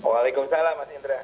waalaikumsalam mas indra